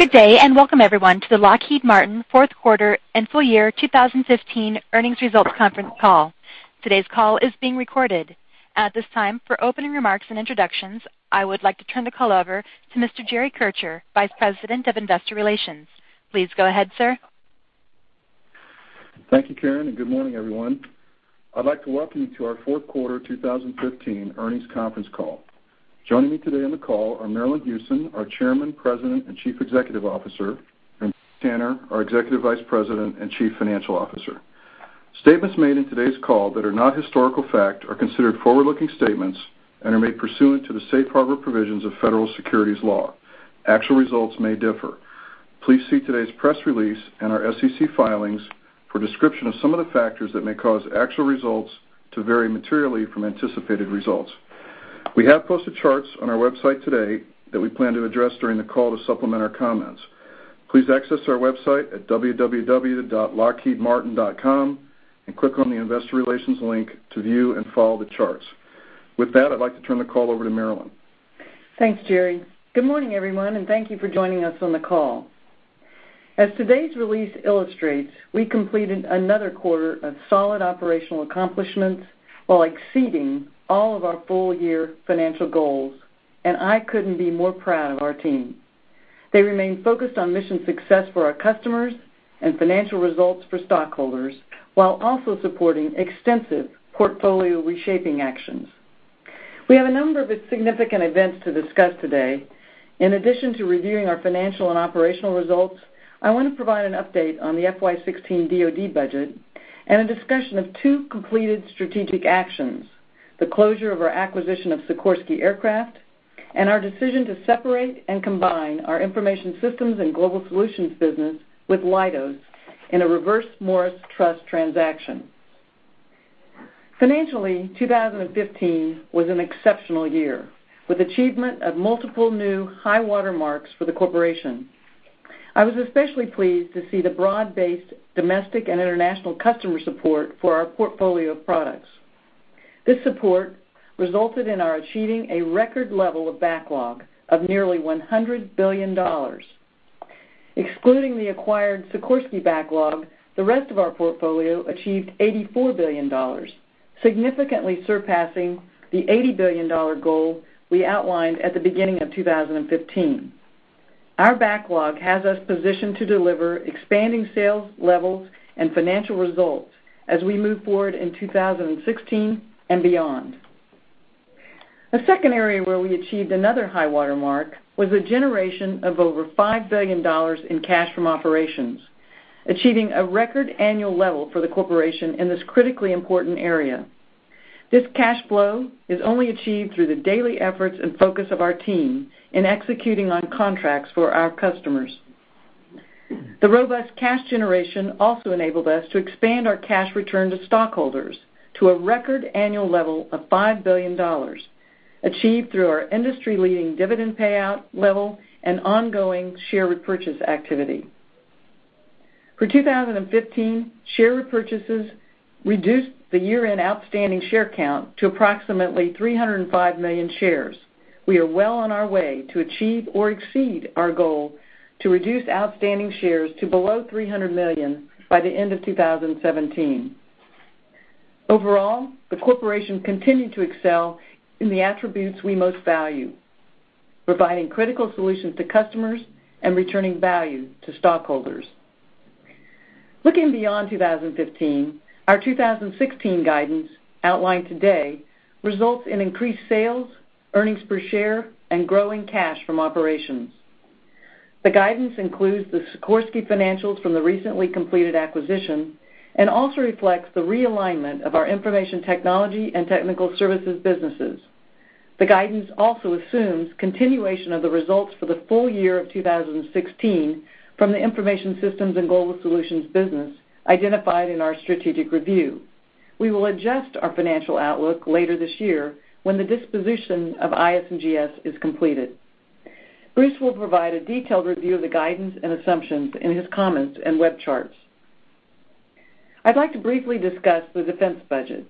Good day. Welcome, everyone, to the Lockheed Martin fourth quarter and full year 2015 earnings results conference call. Today's call is being recorded. At this time, for opening remarks and introductions, I would like to turn the call over to Mr. Jerry Kircher, Vice President of Investor Relations. Please go ahead, sir. Thank you, Karen. Good morning, everyone. I'd like to welcome you to our fourth quarter 2015 earnings conference call. Joining me today on the call are Marillyn Hewson, our Chairman, President, and Chief Executive Officer, and Bruce Tanner, our Executive Vice President and Chief Financial Officer. Statements made in today's call that are not historical fact are considered forward-looking statements and are made pursuant to the safe harbor provisions of federal securities law. Actual results may differ. Please see today's press release and our SEC filings for a description of some of the factors that may cause actual results to vary materially from anticipated results. We have posted charts on our website today that we plan to address during the call to supplement our comments. Please access our website at www.lockheedmartin.com and click on the Investor Relations link to view and follow the charts. With that, I'd like to turn the call over to Marillyn. Thanks, Jerry. Good morning, everyone. Thank you for joining us on the call. As today's release illustrates, we completed another quarter of solid operational accomplishments while exceeding all of our full-year financial goals. I couldn't be more proud of our team. They remain focused on mission success for our customers and financial results for stockholders, while also supporting extensive portfolio reshaping actions. We have a number of significant events to discuss today. In addition to reviewing our financial and operational results, I want to provide an update on the FY 2016 DoD budget and a discussion of two completed strategic actions, the closure of our acquisition of Sikorsky Aircraft, and our decision to separate and combine our Information Systems & Global Solutions business with Leidos in a Reverse Morris Trust transaction. Financially, 2015 was an exceptional year, with achievement of multiple new high watermarks for the corporation. I was especially pleased to see the broad-based domestic and international customer support for our portfolio of products. This support resulted in our achieving a record level of backlog of nearly $100 billion. Excluding the acquired Sikorsky backlog, the rest of our portfolio achieved $84 billion, significantly surpassing the $80 billion goal we outlined at the beginning of 2015. Our backlog has us positioned to deliver expanding sales levels and financial results as we move forward in 2016 and beyond. A second area where we achieved another high watermark was a generation of over $5 billion in cash from operations, achieving a record annual level for the corporation in this critically important area. This cash flow is only achieved through the daily efforts and focus of our team in executing on contracts for our customers. The robust cash generation also enabled us to expand our cash return to stockholders to a record annual level of $5 billion, achieved through our industry-leading dividend payout level and ongoing share repurchase activity. For 2015, share repurchases reduced the year-end outstanding share count to approximately 305 million shares. We are well on our way to achieve or exceed our goal to reduce outstanding shares to below 300 million by the end of 2017. Overall, the corporation continued to excel in the attributes we most value, providing critical solutions to customers and returning value to stockholders. Looking beyond 2015, our 2016 guidance outlined today results in increased sales, earnings per share, and growing cash from operations. The guidance includes the Sikorsky financials from the recently completed acquisition and also reflects the realignment of our information technology and technical services businesses. The guidance also assumes continuation of the results for the full year of 2016 from the Information Systems & Global Solutions business identified in our strategic review. We will adjust our financial outlook later this year when the disposition of IS&GS is completed. Bruce will provide a detailed review of the guidance and assumptions in his comments and web charts. I'd like to briefly discuss the defense budget.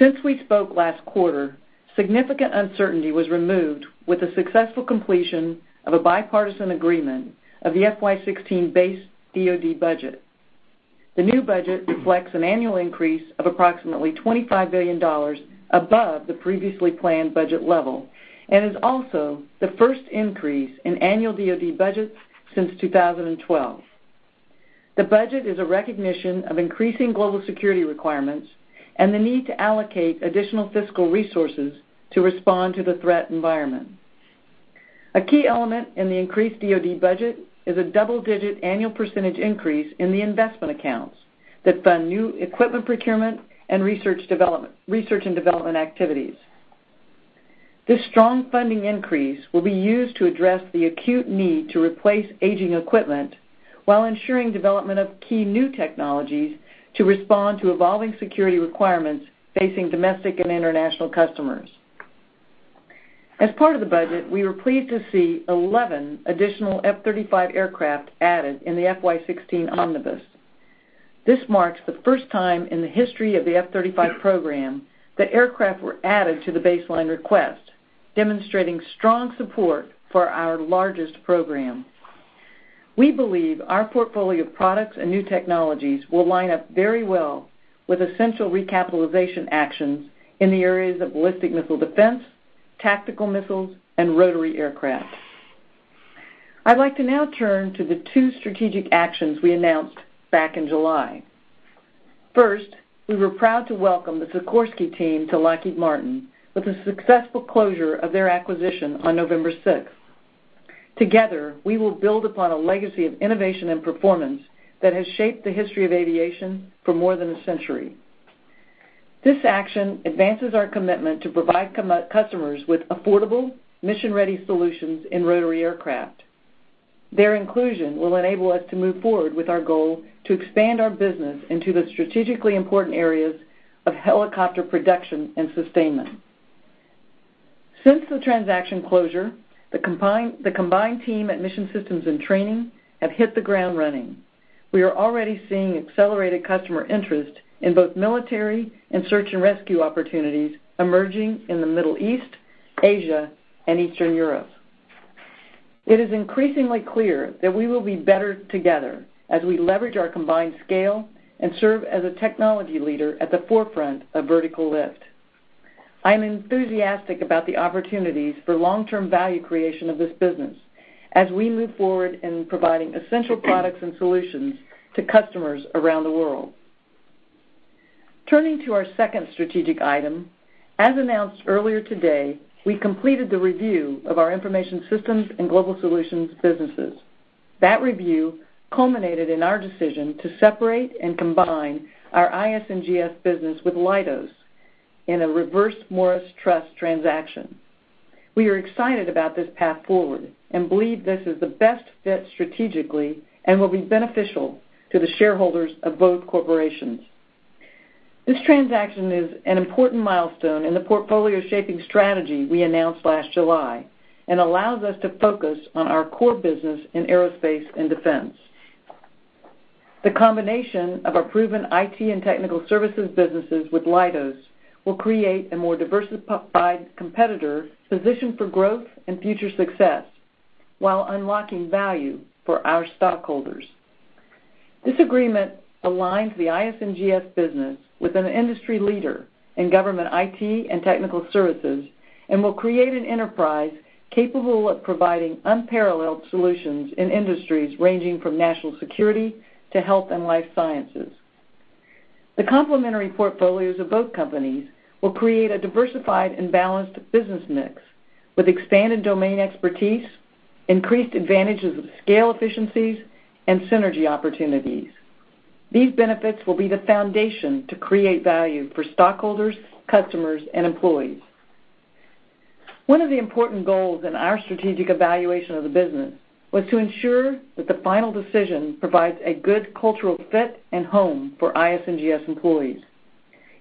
Since we spoke last quarter, significant uncertainty was removed with the successful completion of a bipartisan agreement of the FY 2016 base DoD budget. The new budget reflects an annual increase of approximately $25 billion above the previously planned budget level and is also the first increase in annual DoD budgets since 2012. The budget is a recognition of increasing global security requirements and the need to allocate additional fiscal resources to respond to the threat environment. A key element in the increased DoD budget is a double-digit annual percentage increase in the investment accounts that fund new equipment procurement and research and development activities. This strong funding increase will be used to address the acute need to replace aging equipment while ensuring development of key new technologies to respond to evolving security requirements facing domestic and international customers. As part of the budget, we were pleased to see 11 additional F-35 aircraft added in the FY 2016 omnibus. This marks the first time in the history of the F-35 program that aircraft were added to the baseline request, demonstrating strong support for our largest program. We believe our portfolio of products and new technologies will line up very well with essential recapitalization actions in the areas of ballistic missile defense, tactical missiles, and rotary aircraft. I'd like to now turn to the two strategic actions we announced back in July. First, we were proud to welcome the Sikorsky team to Lockheed Martin with the successful closure of their acquisition on November 6th. Together, we will build upon a legacy of innovation and performance that has shaped the history of aviation for more than a century. This action advances our commitment to provide customers with affordable, mission-ready solutions in rotary aircraft. Their inclusion will enable us to move forward with our goal to expand our business into the strategically important areas of helicopter production and sustainment. Since the transaction closure, the combined team at Mission Systems and Training have hit the ground running. We are already seeing accelerated customer interest in both military and search and rescue opportunities emerging in the Middle East, Asia, and Eastern Europe. It is increasingly clear that we will be better together as we leverage our combined scale and serve as a technology leader at the forefront of vertical lift. I am enthusiastic about the opportunities for long-term value creation of this business as we move forward in providing essential products and solutions to customers around the world. Turning to our second strategic item, as announced earlier today, we completed the review of our Information Systems and Global Solutions businesses. That review culminated in our decision to separate and combine our IS&GS business with Leidos in a Reverse Morris Trust transaction. We are excited about this path forward and believe this is the best fit strategically and will be beneficial to the shareholders of both corporations. This transaction is an important milestone in the portfolio-shaping strategy we announced last July and allows us to focus on our core business in aerospace and defense. The combination of our proven IT and technical services businesses with Leidos will create a more diversified competitor positioned for growth and future success while unlocking value for our stockholders. This agreement aligns the IS&GS business with an industry leader in government IT and technical services and will create an enterprise capable of providing unparalleled solutions in industries ranging from national security to health and life sciences. The complementary portfolios of both companies will create a diversified and balanced business mix with expanded domain expertise, increased advantages of scale efficiencies, and synergy opportunities. These benefits will be the foundation to create value for stockholders, customers, and employees. One of the important goals in our strategic evaluation of the business was to ensure that the final decision provides a good cultural fit and home for IS&GS employees.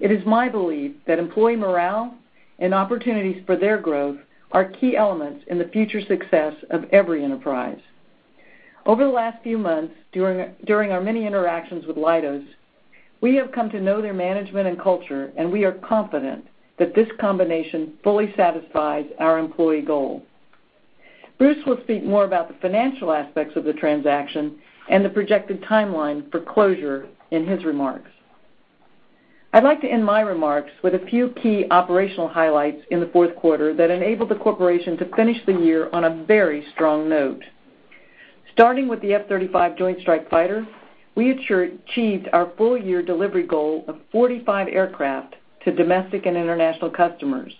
It is my belief that employee morale and opportunities for their growth are key elements in the future success of every enterprise. Over the last few months, during our many interactions with Leidos, we have come to know their management and culture, and we are confident that this combination fully satisfies our employee goal. Bruce will speak more about the financial aspects of the transaction and the projected timeline for closure in his remarks. I'd like to end my remarks with a few key operational highlights in the fourth quarter that enabled the corporation to finish the year on a very strong note. Starting with the F-35 Joint Strike Fighter, we achieved our full-year delivery goal of 45 aircraft to domestic and international customers.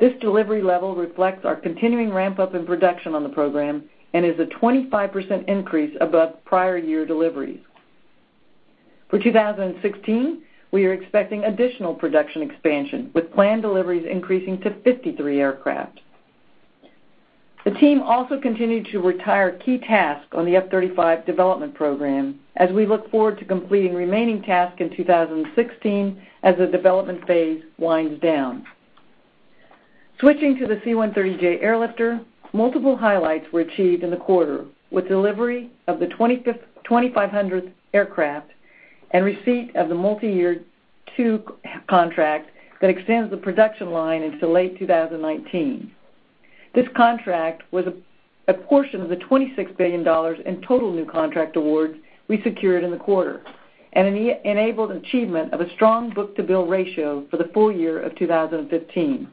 This delivery level reflects our continuing ramp-up in production on the program and is a 25% increase above prior year deliveries. For 2016, we are expecting additional production expansion, with planned deliveries increasing to 53 aircraft. The team also continued to retire key tasks on the F-35 development program as we look forward to completing remaining tasks in 2016 as the development phase winds down. Switching to the C-130J airlifter, multiple highlights were achieved in the quarter, with delivery of the 2,500th aircraft and receipt of the multi-year 2 contract that extends the production line into late 2019. This contract was a portion of the $26 billion in total new contract awards we secured in the quarter and enabled achievement of a strong book-to-bill ratio for the full year of 2015.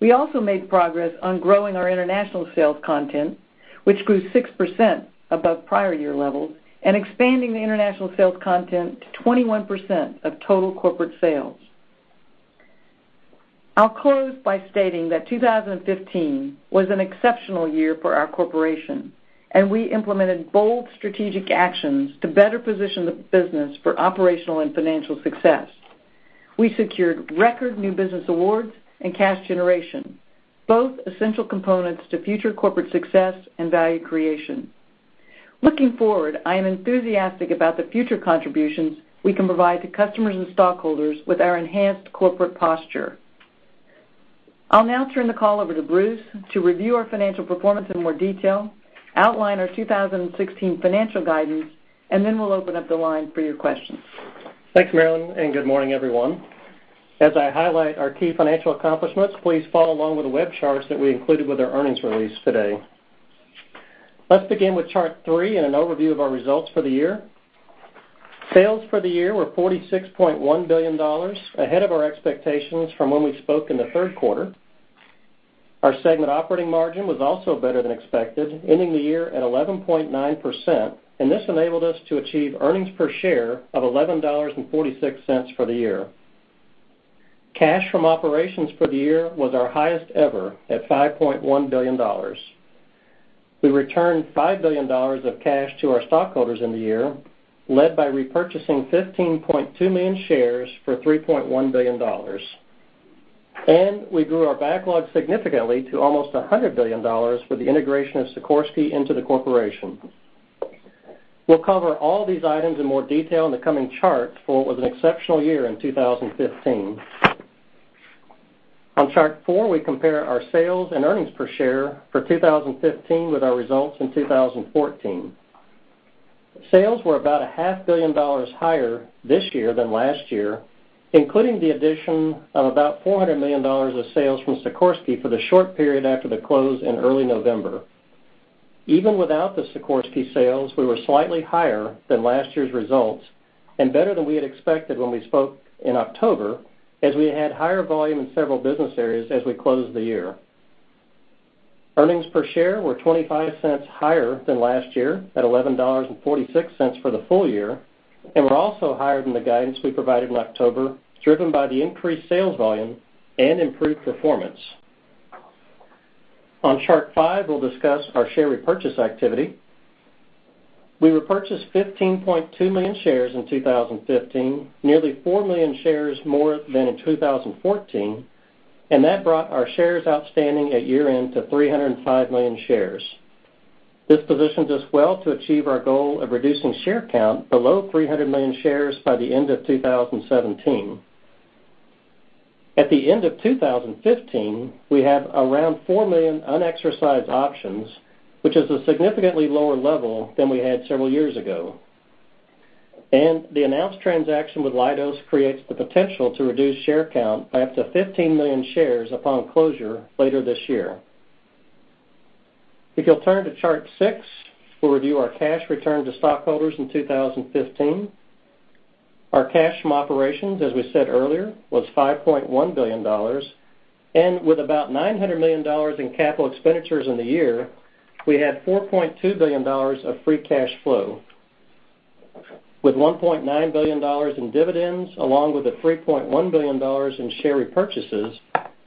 We also made progress on growing our international sales content, which grew 6% above prior year levels, and expanding the international sales content to 21% of total corporate sales. I'll close by stating that 2015 was an exceptional year for our corporation. We implemented bold strategic actions to better position the business for operational and financial success. We secured record new business awards and cash generation, both essential components to future corporate success and value creation. Looking forward, I am enthusiastic about the future contributions we can provide to customers and stockholders with our enhanced corporate posture. I'll now turn the call over to Bruce to review our financial performance in more detail, outline our 2016 financial guidance. Then we'll open up the line for your questions. Thanks, Marilyn. Good morning, everyone. As I highlight our key financial accomplishments, please follow along with the web charts that we included with our earnings release today. Let's begin with Chart 3 and an overview of our results for the year. Sales for the year were $46.1 billion, ahead of our expectations from when we spoke in the third quarter. Our segment operating margin was also better than expected, ending the year at 11.9%. This enabled us to achieve earnings per share of $11.46 for the year. Cash from operations for the year was our highest ever at $5.1 billion. We returned $5 billion of cash to our stockholders in the year, led by repurchasing 15.2 million shares for $3.1 billion. We grew our backlog significantly to almost $100 billion with the integration of Sikorsky into the corporation. We'll cover all these items in more detail in the coming charts, for it was an exceptional year in 2015. On Chart 4, we compare our sales and earnings per share for 2015 with our results in 2014. Sales were about a half billion dollars higher this year than last year, including the addition of about $400 million of sales from Sikorsky for the short period after the close in early November. Even without the Sikorsky sales, we were slightly higher than last year's results and better than we had expected when we spoke in October, as we had higher volume in several business areas as we closed the year. Earnings per share were $0.25 higher than last year at $11.46 for the full year, were also higher than the guidance we provided in October, driven by the increased sales volume and improved performance. On Chart 5, we'll discuss our share repurchase activity. We repurchased 15.2 million shares in 2015, nearly four million shares more than in 2014, that brought our shares outstanding at year-end to 305 million shares. This positions us well to achieve our goal of reducing share count below 300 million shares by the end of 2017. At the end of 2015, we have around four million unexercised options, which is a significantly lower level than we had several years ago. The announced transaction with Leidos creates the potential to reduce share count by up to 15 million shares upon closure later this year. If you'll turn to Chart 6, we'll review our cash return to stockholders in 2015. Our cash from operations, as we said earlier, was $5.1 billion. With about $900 million in capital expenditures in the year, we had $4.2 billion of free cash flow. With $1.9 billion in dividends along with the $3.1 billion in share repurchases,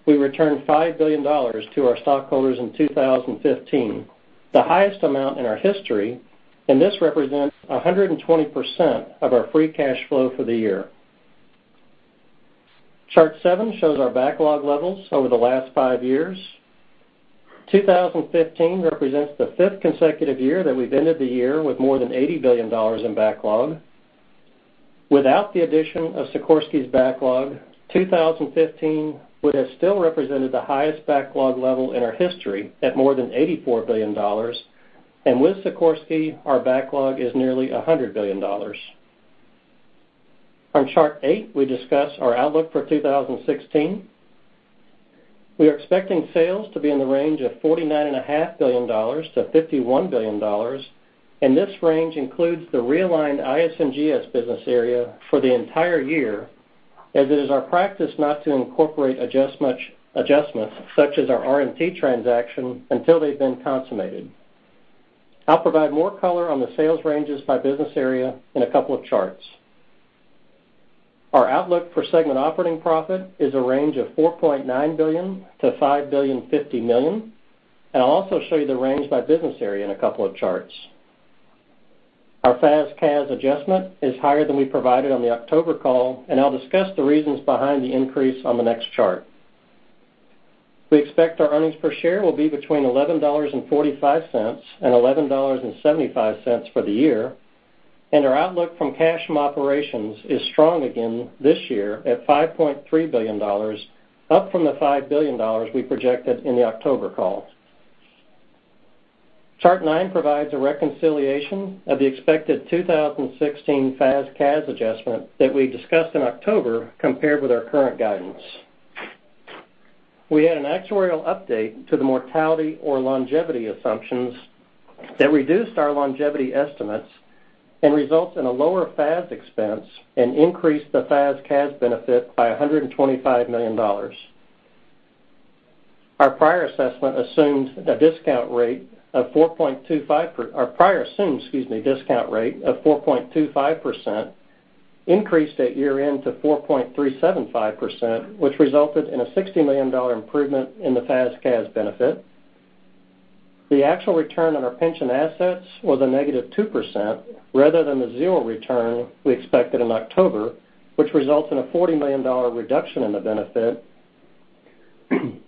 we returned $5 billion to our stockholders in 2015, the highest amount in our history, this represents 120% of our free cash flow for the year. Chart 7 shows our backlog levels over the last five years. 2015 represents the fifth consecutive year that we've ended the year with more than $80 billion in backlog. Without the addition of Sikorsky's backlog, 2015 would have still represented the highest backlog level in our history at more than $84 billion. With Sikorsky, our backlog is nearly $100 billion. On Chart 8, we discuss our outlook for 2016. We are expecting sales to be in the range of $49.5 billion-$51 billion. This range includes the realigned IS&GS business area for the entire year, as it is our practice not to incorporate adjustments, such as our RMT transaction, until they've been consummated. I'll provide more color on the sales ranges by business area in a couple of charts. Our outlook for segment operating profit is a range of $4.9 billion-$5.05 billion. I'll also show you the range by business area in a couple of charts. Our FAS/CAS adjustment is higher than we provided on the October call, I'll discuss the reasons behind the increase on the next chart. We expect our earnings per share will be between $11.45 and $11.75 for the year. Our outlook from cash from operations is strong again this year at $5.3 billion, up from the $5 billion we projected in the October call. Chart 9 provides a reconciliation of the expected 2016 FAS/CAS adjustment that we discussed in October, compared with our current guidance. We had an actuarial update to the mortality or longevity assumptions that reduced our longevity estimates and results in a lower FAS expense and increased the FAS/CAS benefit by $125 million. Our prior assumed discount rate of 4.25%, increased at year-end to 4.375%, which resulted in a $60 million improvement in the FAS/CAS benefit. The actual return on our pension assets was a negative 2% rather than the zero return we expected in October, which results in a $40 million reduction in the benefit.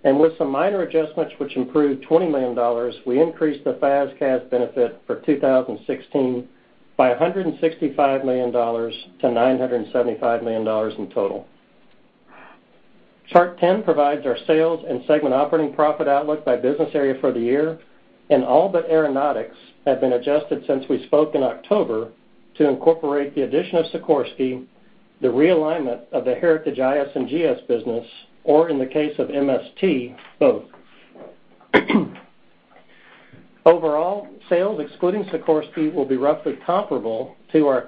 With some minor adjustments which improved $20 million, we increased the FAS/CAS benefit for 2016 by $165 million to $975 million in total. Chart 10 provides our sales and segment operating profit outlook by business area for the year, all but Aeronautics have been adjusted since we spoke in October to incorporate the addition of Sikorsky, the realignment of the heritage IS&GS business, or in the case of MST, both. Overall, sales excluding Sikorsky will be roughly comparable to our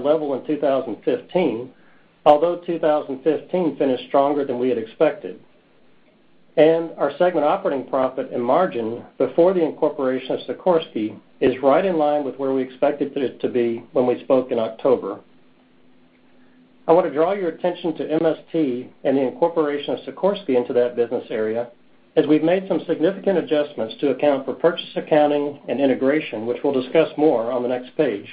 level in 2015, although 2015 finished stronger than we had expected. Our segment operating profit and margin before the incorporation of Sikorsky is right in line with where we expected it to be when we spoke in October. I want to draw your attention to MST and the incorporation of Sikorsky into that business area, as we've made some significant adjustments to account for purchase accounting and integration, which we'll discuss more on the next page.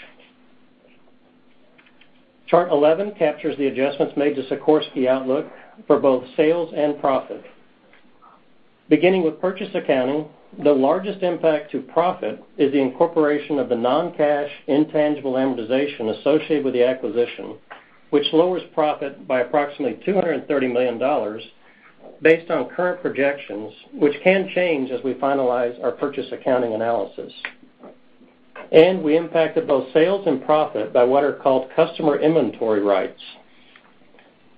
Chart 11 captures the adjustments made to Sikorsky outlook for both sales and profit. Beginning with purchase accounting, the largest impact to profit is the incorporation of the non-cash, intangible amortization associated with the acquisition, which lowers profit by approximately $230 million based on current projections, which can change as we finalize our purchase accounting analysis. We impacted both sales and profit by what are called customer inventory rights.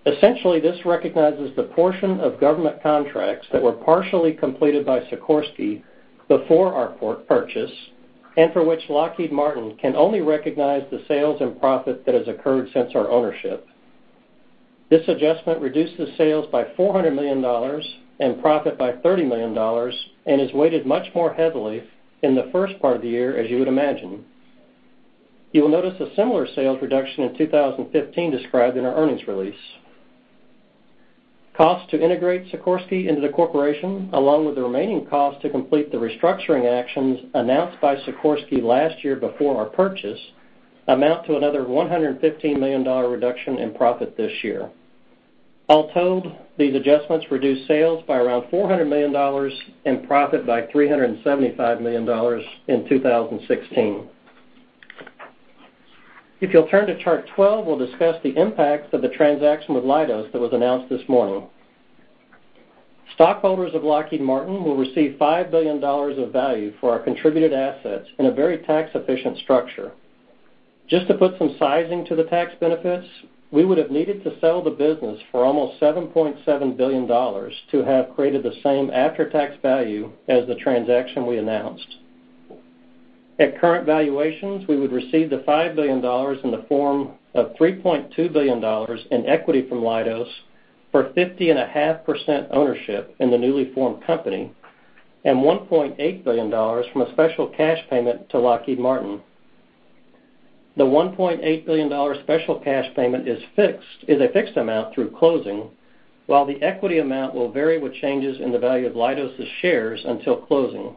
Essentially, this recognizes the portion of government contracts that were partially completed by Sikorsky before our purchase, and for which Lockheed Martin can only recognize the sales and profit that has occurred since our ownership. This adjustment reduces sales by $400 million and profit by $30 million and is weighted much more heavily in the first part of the year, as you would imagine. You will notice a similar sales reduction in 2015 described in our earnings release. Costs to integrate Sikorsky into the corporation, along with the remaining cost to complete the restructuring actions announced by Sikorsky last year before our purchase, amount to another $115 million reduction in profit this year. All told, these adjustments reduce sales by around $400 million and profit by $375 million in 2016. If you'll turn to Chart 12, we'll discuss the impacts of the transaction with Leidos that was announced this morning. Stockholders of Lockheed Martin will receive $5 billion of value for our contributed assets in a very tax-efficient structure. Just to put some sizing to the tax benefits, we would have needed to sell the business for almost $7.7 billion to have created the same after-tax value as the transaction we announced. At current valuations, we would receive the $5 billion in the form of $3.2 billion in equity from Leidos for 50.5% ownership in the newly formed company, and $1.8 billion from a special cash payment to Lockheed Martin. The $1.8 billion special cash payment is a fixed amount through closing, while the equity amount will vary with changes in the value of Leidos' shares until closing.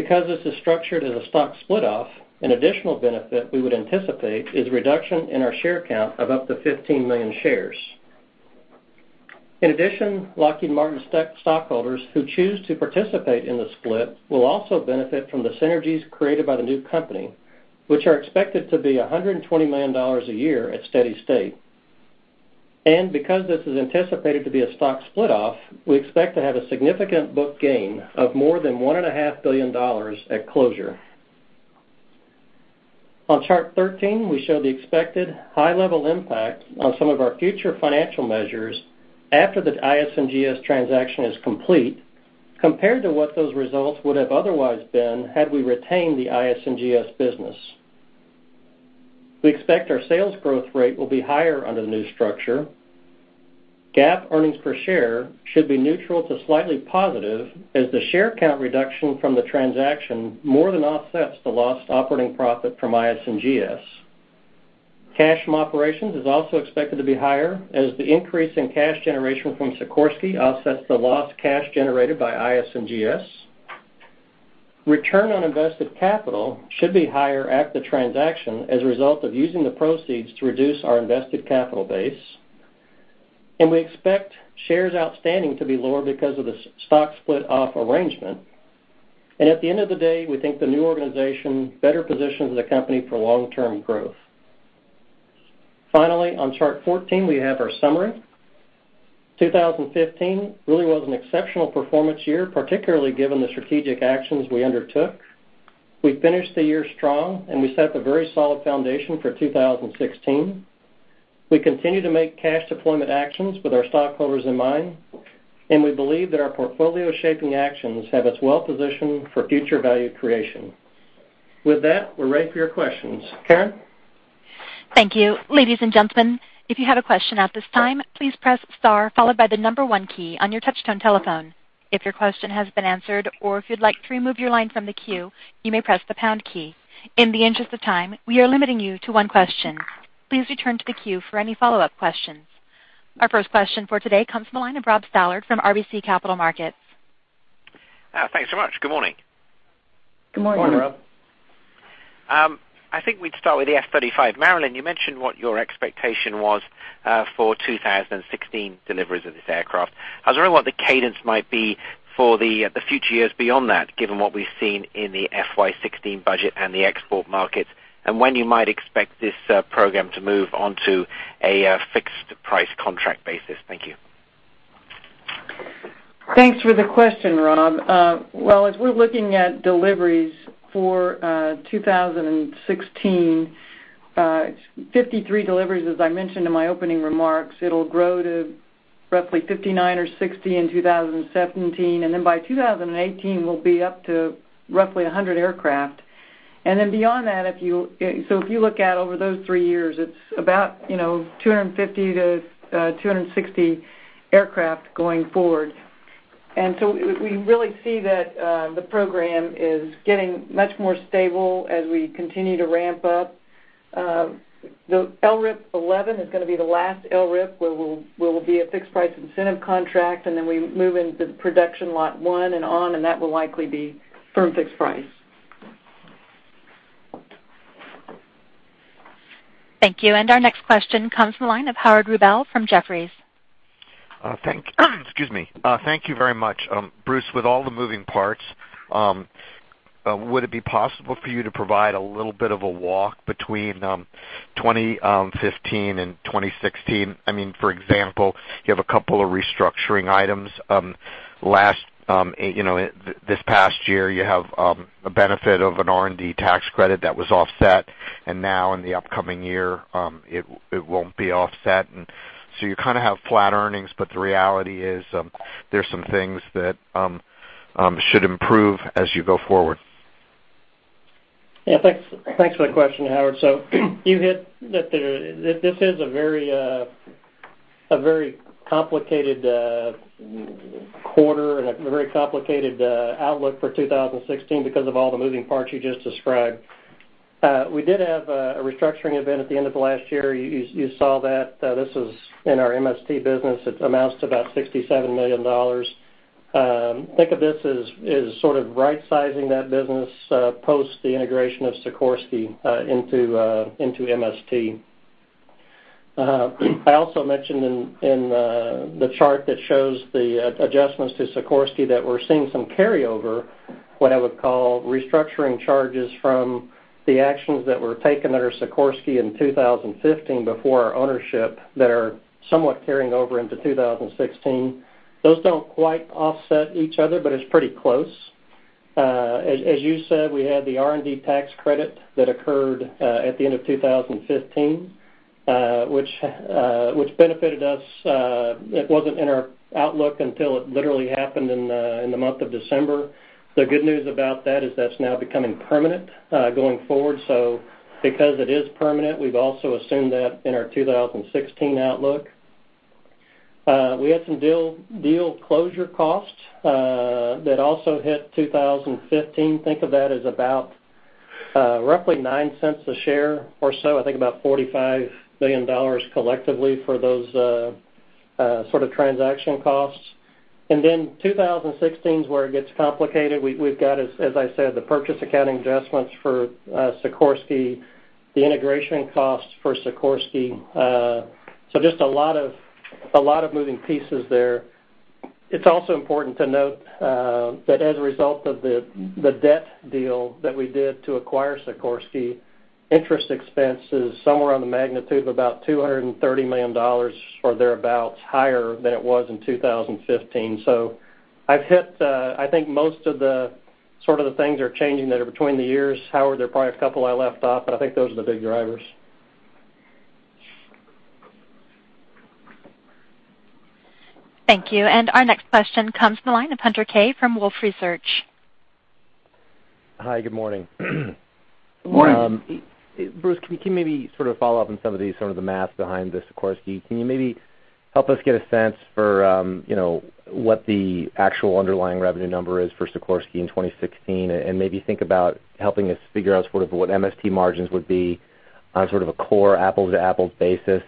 Because this is structured as a stock split-off, an additional benefit we would anticipate is a reduction in our share count of up to 15 million shares. In addition, Lockheed Martin stockholders who choose to participate in the split will also benefit from the synergies created by the new company, which are expected to be $120 million a year at steady state. Because this is anticipated to be a stock split-off, we expect to have a significant book gain of more than $1.5 billion at closure. On chart 13, we show the expected high-level impact on some of our future financial measures after the IS&GS transaction is complete, compared to what those results would have otherwise been had we retained the IS&GS business. We expect our sales growth rate will be higher under the new structure. GAAP earnings per share should be neutral to slightly positive as the share count reduction from the transaction more than offsets the lost operating profit from IS&GS. Cash from operations is also expected to be higher as the increase in cash generation from Sikorsky offsets the lost cash generated by IS&GS. Return on invested capital should be higher at the transaction as a result of using the proceeds to reduce our invested capital base. We expect shares outstanding to be lower because of the stock split-off arrangement. At the end of the day, we think the new organization better positions the company for long-term growth. Finally, on chart 14, we have our summary. 2015 really was an exceptional performance year, particularly given the strategic actions we undertook. We finished the year strong, and we set the very solid foundation for 2016. We continue to make cash deployment actions with our stockholders in mind, and we believe that our portfolio-shaping actions have us well-positioned for future value creation. With that, we're ready for your questions. Karen? Thank you. Ladies and gentlemen, if you have a question at this time, please press star followed by the number 1 key on your touchtone telephone. If your question has been answered or if you'd like to remove your line from the queue, you may press the pound key. In the interest of time, we are limiting you to one question. Please return to the queue for any follow-up questions. Our first question for today comes from the line of Robert Stallard from RBC Capital Markets. Thanks so much. Good morning. Good morning. Morning, Rob. I think we'd start with the F-35. Marillyn, you mentioned what your expectation was for 2016 deliveries of this aircraft. I was wondering what the cadence might be for the future years beyond that, given what we've seen in the FY 2016 budget and the export markets, and when you might expect this program to move onto a fixed price contract basis. Thank you. Thanks for the question, Rob. Well, as we're looking at deliveries for 2016, 53 deliveries, as I mentioned in my opening remarks, it'll grow to roughly 59 or 60 in 2017, then by 2018, we'll be up to roughly 100 aircraft. Beyond that, if you look at over those three years, it's about 250-260 aircraft going forward. We really see that the program is getting much more stable as we continue to ramp up. The LRIP 11 is going to be the last LRIP where we'll be a fixed price incentive contract, then we move into the production Lot 1 and on, and that will likely be firm fixed price. Thank you. Our next question comes from the line of Howard Rubel from Jefferies. Thank you very much. Bruce, with all the moving parts, would it be possible for you to provide a little bit of a walk between 2015 and 2016? For example, you have a couple of restructuring items. This past year, you have a benefit of an R&D tax credit that was offset, now in the upcoming year, it won't be offset. You kind of have flat earnings, the reality is, there's some things that should improve as you go forward. Yeah, thanks for the question, Howard. You hit that this is a very complicated quarter and a very complicated outlook for 2016 because of all the moving parts you just described. We did have a restructuring event at the end of last year. You saw that. This is in our MST business. It amounts to about $67 million. Think of this as sort of right-sizing that business, post the integration of Sikorsky into MST. I also mentioned in the chart that shows the adjustments to Sikorsky, that we're seeing some carryover, what I would call restructuring charges from the actions that were taken under Sikorsky in 2015 before our ownership, that are somewhat carrying over into 2016. Those don't quite offset each other, it's pretty close. As you said, we had the R&D tax credit that occurred at the end of 2015, which benefited us. It wasn't in our outlook until it literally happened in the month of December. The good news about that is that's now becoming permanent going forward. Because it is permanent, we've also assumed that in our 2016 outlook. We had some deal closure costs that also hit 2015. Think of that as about roughly $0.09 a share or so. I think about $45 million collectively for those sort of transaction costs. 2016 is where it gets complicated. We've got, as I said, the purchase accounting adjustments for Sikorsky, the integration costs for Sikorsky. Just a lot of moving pieces there. It's also important to note that as a result of the debt deal that we did to acquire Sikorsky, interest expense is somewhere on the magnitude of about $230 million, or thereabout, higher than it was in 2015. I've hit, I think, most of the sort of the things that are changing that are between the years. Howard, there are probably a couple I left off, but I think those are the big drivers. Thank you. Our next question comes from the line of Hunter Keay from Wolfe Research. Hi, good morning. Morning. Bruce, can you maybe sort of follow up on some of the sort of the math behind the Sikorsky? Can you maybe help us get a sense for what the actual underlying revenue number is for Sikorsky in 2016, and maybe think about helping us figure out sort of what MST margins would be on sort of a core apples-to-apples basis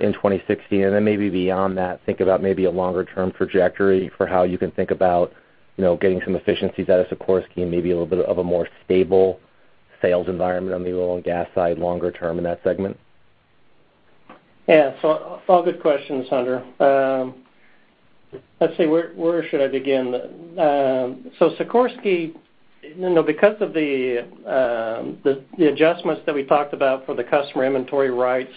in 2016? Then maybe beyond that, think about maybe a longer-term trajectory for how you can think about getting some efficiencies out of Sikorsky and maybe a little bit of a more stable sales environment on the oil and gas side longer term in that segment. Yeah. All good questions, Hunter. Let's see, where should I begin? Sikorsky, because of the adjustments that we talked about for the customer inventory rights,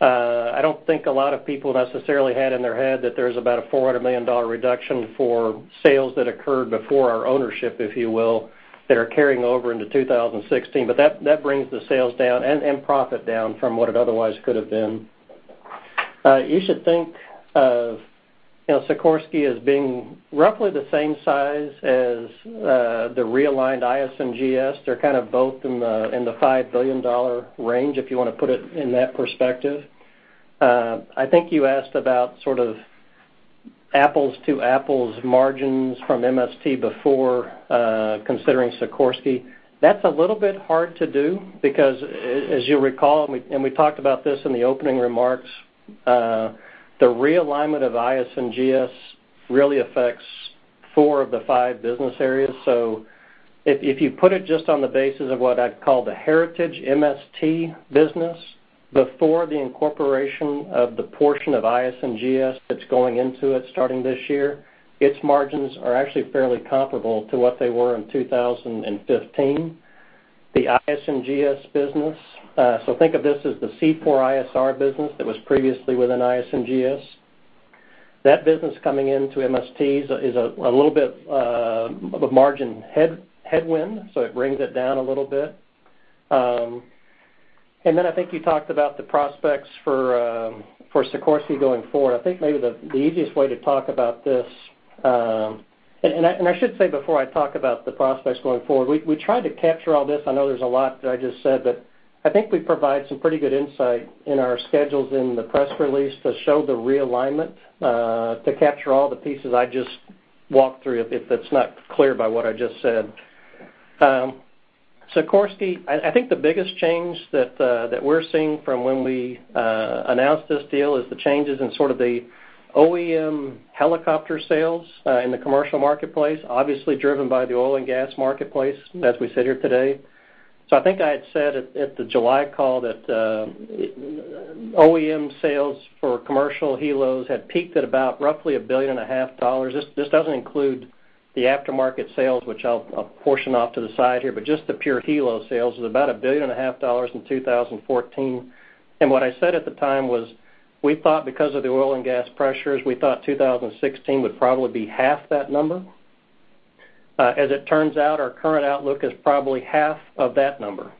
I don't think a lot of people necessarily had in their head that there's about a $400 million reduction for sales that occurred before our ownership, if you will, that are carrying over into 2016. That brings the sales down and profit down from what it otherwise could have been. You should think of Sikorsky as being roughly the same size as the realigned IS&GS. They're kind of both in the $5 billion range, if you want to put it in that perspective. I think you asked about sort of apples-to-apples margins from MST before considering Sikorsky. That's a little bit hard to do because, as you'll recall, we talked about this in the opening remarks, the realignment of IS&GS really affects Four of the five business areas. If you put it just on the basis of what I'd call the heritage MST business, before the incorporation of the portion of IS&GS that's going into it starting this year, its margins are actually fairly comparable to what they were in 2015. The IS&GS business, think of this as the C4ISR business that was previously within IS&GS. That business coming into MST is a little bit of a margin headwind, it brings it down a little bit. Then I think you talked about the prospects for Sikorsky going forward. I think maybe the easiest way to talk about this, I should say before I talk about the prospects going forward, we tried to capture all this. I know there's a lot that I just said, I think we provide some pretty good insight in our schedules in the press release to show the realignment, to capture all the pieces I just walked through, if it's not clear by what I just said. Sikorsky, I think the biggest change that we're seeing from when we announced this deal is the changes in sort of the OEM helicopter sales in the commercial marketplace, obviously driven by the oil and gas marketplace as we sit here today. I think I had said at the July call that OEM sales for commercial helos had peaked at about roughly a billion and a half dollars. This doesn't include the aftermarket sales, which I'll portion off to the side here, but just the pure helo sales is about $1.5 billion in 2014. What I said at the time was, we thought because of the oil and gas pressures, we thought 2016 would probably be half that number. As it turns out, our current outlook is probably half of that number.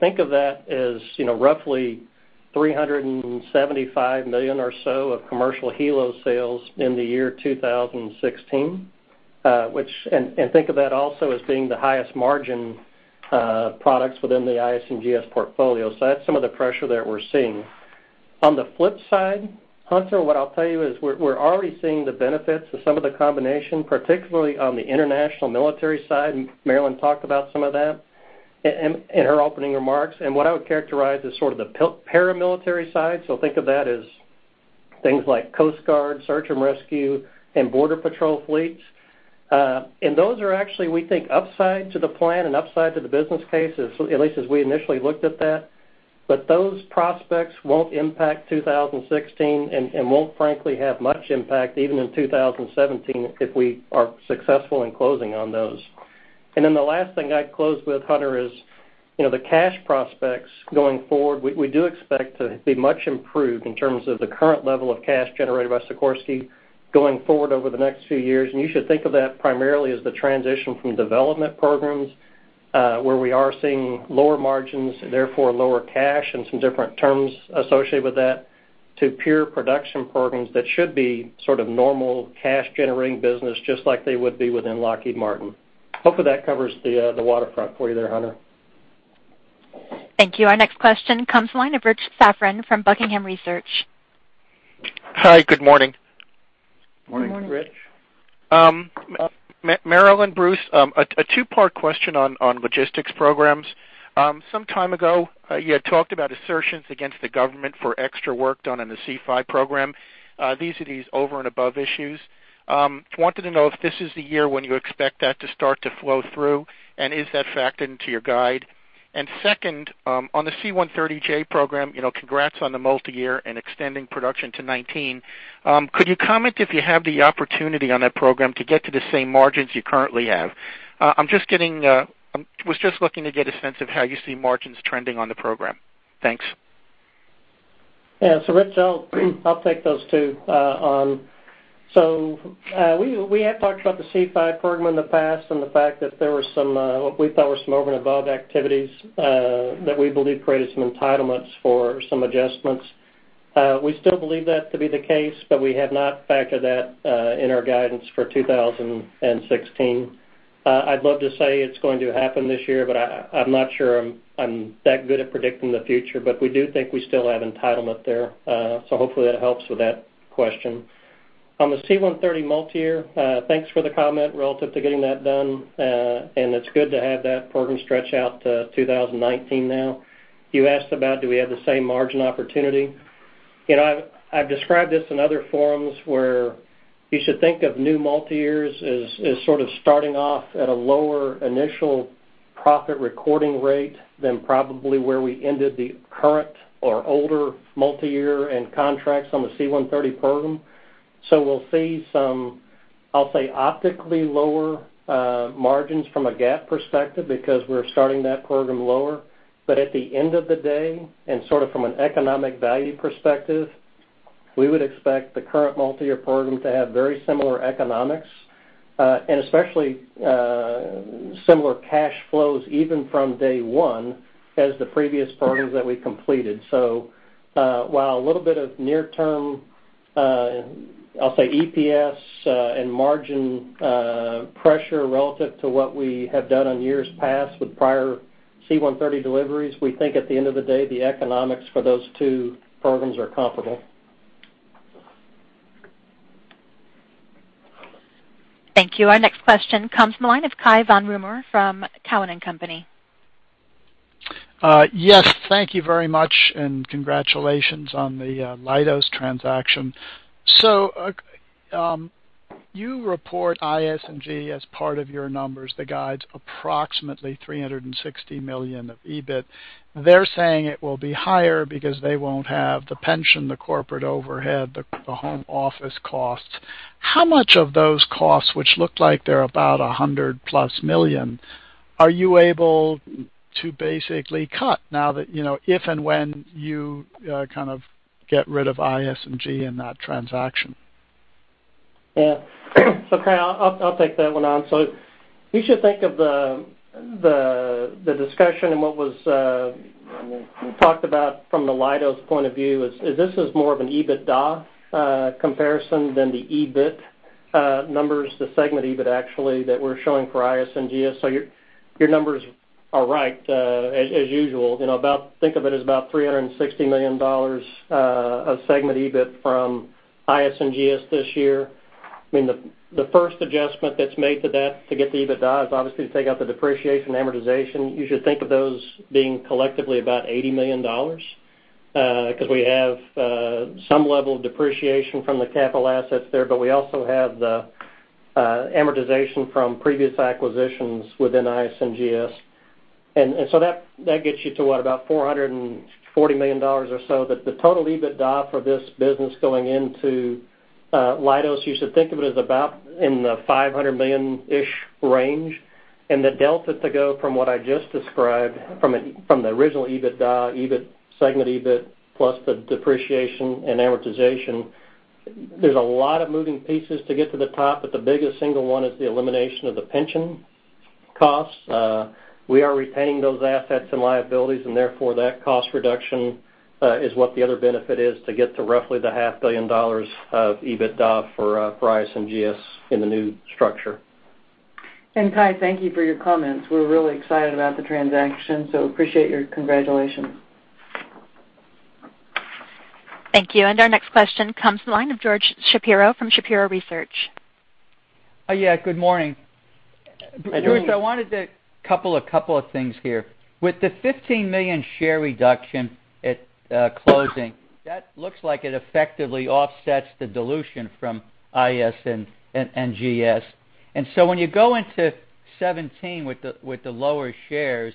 Think of that as roughly $375 million or so of commercial helo sales in the year 2016, and think of that also as being the highest margin products within the IS&GS portfolio. That's some of the pressure that we're seeing. On the flip side, Hunter, what I'll tell you is we're already seeing the benefits of some of the combination, particularly on the international military side, and Marillyn talked about some of that in her opening remarks. What I would characterize as sort of the paramilitary side, think of that as things like Coast Guard, search and rescue, and border patrol fleets. Those are actually, we think, upside to the plan and upside to the business case, at least as we initially looked at that. Those prospects won't impact 2016 and won't, frankly, have much impact even in 2017 if we are successful in closing on those. The last thing I'd close with, Hunter, is the cash prospects going forward, we do expect to be much improved in terms of the current level of cash generated by Sikorsky going forward over the next few years. You should think of that primarily as the transition from development programs, where we are seeing lower margins, therefore lower cash, and some different terms associated with that, to pure production programs that should be sort of normal cash-generating business, just like they would be within Lockheed Martin. Hopefully, that covers the waterfront for you there, Hunter. Thank you. Our next question comes from the line of Richard Safran from Buckingham Research. Hi, good morning. Morning, Rich. Marillyn, Bruce, a two-part question on logistics programs. Some time ago, you had talked about assertions against the government for extra work done on the C-5 program. These are these over-and-above issues. Wanted to know if this is the year when you expect that to start to flow through, and is that factored into your guide? Second, on the C-130J program, congrats on the multi-year and extending production to 2019. Could you comment if you have the opportunity on that program to get to the same margins you currently have? I was just looking to get a sense of how you see margins trending on the program. Thanks. Yeah. Rich, I'll take those two on. We have talked about the C-5 program in the past and the fact that there were some, what we thought were some over-and-above activities that we believe created some entitlements for some adjustments. We still believe that to be the case, but we have not factored that in our guidance for 2016. I'd love to say it's going to happen this year, but I'm not sure I'm that good at predicting the future. We do think we still have entitlement there. Hopefully, that helps with that question. On the C-130 multi-year, thanks for the comment relative to getting that done, and it's good to have that program stretch out to 2019 now. You asked about, do we have the same margin opportunity? I've described this in other forums where you should think of new multi-years as sort of starting off at a lower initial profit recording rate than probably where we ended the current or older multi-year and contracts on the C-130 program. We'll see some, I'll say, optically lower margins from a GAAP perspective because we're starting that program lower. At the end of the day, and sort of from an economic value perspective, we would expect the current multi-year program to have very similar economics, and especially similar cash flows even from day one as the previous programs that we completed. While a little bit of near-term, I'll say, EPS and margin pressure relative to what we have done in years past with prior C-130 deliveries, we think at the end of the day, the economics for those two programs are comparable. Thank you. Our next question comes from the line of Cai von Rumohr from Cowen and Company. Yes. Thank you very much. Congratulations on the Leidos transaction. You report IS&GS as part of your numbers, the guides approximately $360 million of EBIT. They're saying it will be higher because they won't have the pension, the corporate overhead, the home office costs. How much of those costs, which look like they're about $100 million-plus, are you able to basically cut now that, if and when you kind of get rid of IS&GS in that transaction? Cai, I'll take that one on. You should think of the discussion and what was talked about from the Leidos point of view is, this is more of an EBITDA comparison than the EBIT numbers, the segment EBIT, actually, that we're showing for IS&GS. Your numbers are right, as usual. Think of it as about $360 million of segment EBIT from IS&GS this year. The first adjustment that's made to that to get the EBITDA is obviously to take out the depreciation and amortization. You should think of those being collectively about $80 million, because we have some level of depreciation from the capital assets there, but we also have the amortization from previous acquisitions within IS&GS. That gets you to what? About $440 million or so. The total EBITDA for this business going into Leidos, you should think of it as about in the $500 million-ish range. The delta to go from what I just described, from the original EBITDA, segment EBIT, plus the depreciation and amortization, there's a lot of moving pieces to get to the top, but the biggest single one is the elimination of the pension costs. We are repaying those assets and liabilities, therefore, that cost reduction is what the other benefit is to get to roughly the $0.5 billion of EBITDA for IS&GS in the new structure. Cai, thank you for your comments. We're really excited about the transaction, appreciate your congratulations. Thank you. Our next question comes from the line of George Shapiro from Shapiro Research. Yeah, good morning. Good morning. Bruce, I wanted to couple a couple of things here. With the 15 million share reduction at closing, that looks like it effectively offsets the dilution from IS&GS. When you go into 2017 with the lower shares,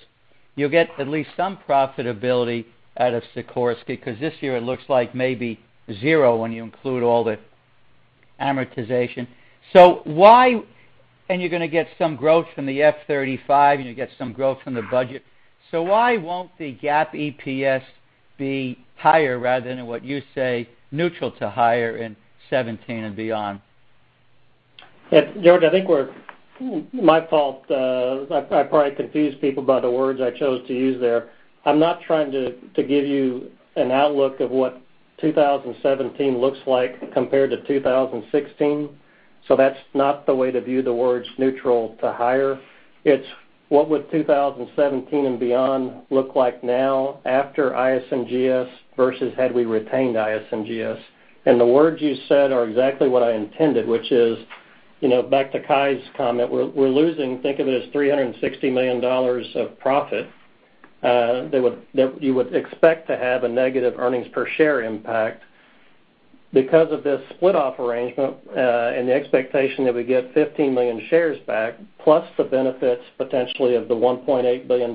you'll get at least some profitability out of Sikorsky, because this year it looks like maybe zero when you include all the amortization. You're going to get some growth from the F-35, and you'll get some growth from the budget. Why won't the GAAP EPS be higher rather than what you say, neutral to higher in 2017 and beyond? Yeah, George, I think my fault, I probably confused people by the words I chose to use there. I'm not trying to give you an outlook of what 2017 looks like compared to 2016, so that's not the way to view the words neutral to higher. It's what would 2017 and beyond look like now after IS&GS versus had we retained IS&GS. The words you said are exactly what I intended, which is, back to Cai's comment, we're losing, think of it as $360 million of profit. You would expect to have a negative earnings per share impact. Because of this split-off arrangement, and the expectation that we get 15 million shares back, plus the benefits, potentially, of the $1.8 billion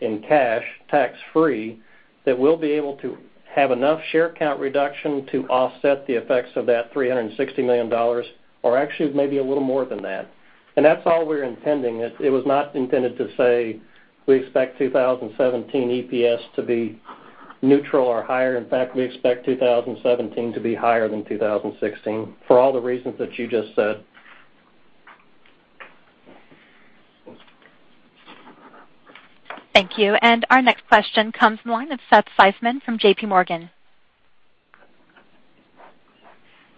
in cash, tax-free, that we'll be able to have enough share count reduction to offset the effects of that $360 million, or actually maybe a little more than that. That's all we were intending. It was not intended to say we expect 2017 EPS to be neutral or higher. In fact, we expect 2017 to be higher than 2016 for all the reasons that you just said. Thank you. Our next question comes from the line of Seth Seifman from JPMorgan.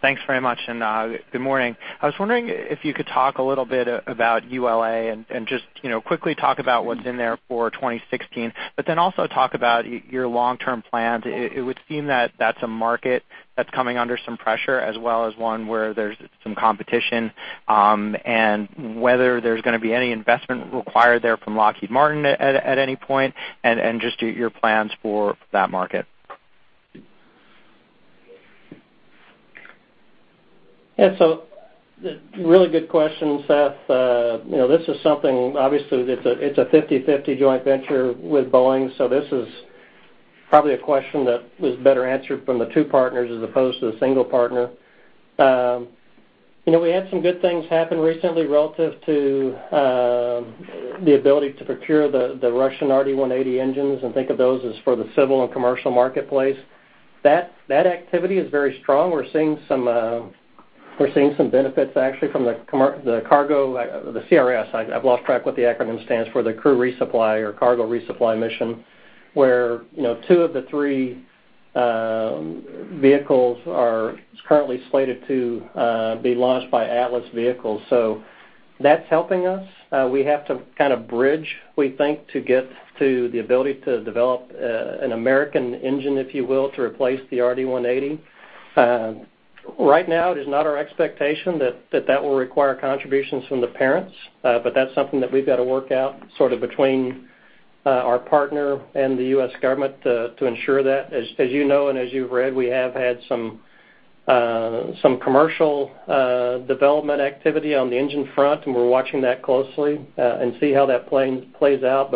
Thanks very much, good morning. I was wondering if you could talk a little bit about ULA and just quickly talk about what's in there for 2016, also talk about your long-term plans. It would seem that that's a market that's coming under some pressure as well as one where there's some competition, whether there's going to be any investment required there from Lockheed Martin at any point, just your plans for that market. Yeah. This is something, obviously, it's a 50/50 joint venture with Boeing, this is probably a question that is better answered from the two partners as opposed to the single partner. We had some good things happen recently relative to the ability to procure the Russian RD-180 engines, think of those as for the civil and commercial marketplace. That activity is very strong. We're seeing some benefits, actually, from the CRS. I've lost track what the acronym stands for, the crew resupply or cargo resupply mission, where two of the three vehicles are currently slated to be launched by Atlas Vehicles. That's helping us. We have to kind of bridge, we think, to get to the ability to develop an American engine, if you will, to replace the RD-180. Right now, it is not our expectation that will require contributions from the parents. That's something that we've got to work out between our partner and the U.S. government to ensure that. As you know, as you've read, we have had some commercial development activity on the engine front, we're watching that closely and see how that plays out.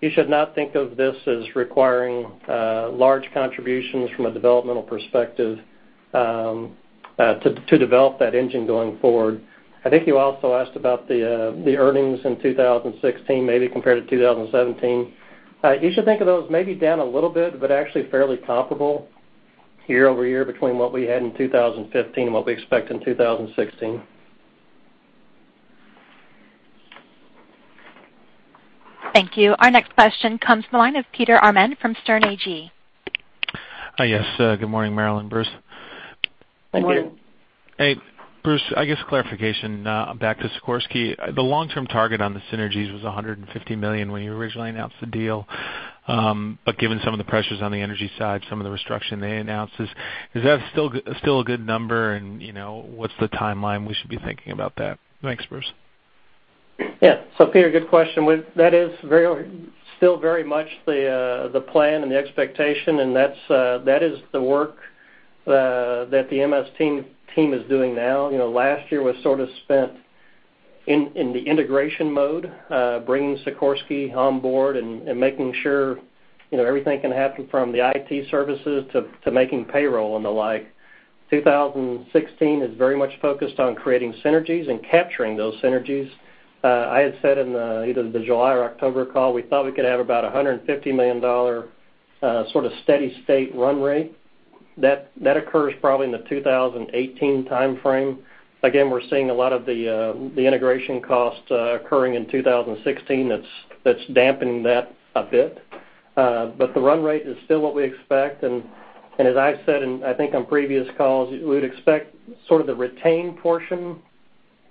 You should not think of this as requiring large contributions from a developmental perspective to develop that engine going forward. I think you also asked about the earnings in 2016, maybe compared to 2017. You should think of those maybe down a little bit, but actually fairly comparable year-over-year between what we had in 2015 and what we expect in 2016. Thank you. Our next question comes from the line of Peter Arment from Sterne Agee. Yes. Good morning, Marillyn, Bruce. Good morning. Good morning. Hey, Bruce, I guess clarification back to Sikorsky. The long-term target on the synergies was $150 million when you originally announced the deal. Given some of the pressures on the energy side, some of the restructuring they announced, is that still a good number? What's the timeline we should be thinking about that? Thanks, Bruce. Peter, good question. That is still very much the plan and the expectation, and that is the work that the MS team is doing now. Last year was sort of spent in the integration mode, bringing Sikorsky on board and making sure everything can happen from the IT services to making payroll and the like. 2016 is very much focused on creating synergies and capturing those synergies. I had said in either the July or October call, we thought we could have about $150 million sort of steady state run rate. That occurs probably in the 2018 timeframe. Again, we're seeing a lot of the integration costs occurring in 2016 that's damping that a bit. The run rate is still what we expect, and as I've said, I think on previous calls, we would expect sort of the retained portion